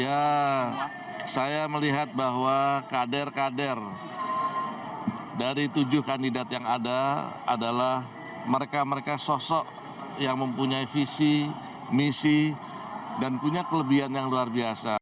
ya saya melihat bahwa kader kader dari tujuh kandidat yang ada adalah mereka mereka sosok yang mempunyai visi misi dan punya kelebihan yang luar biasa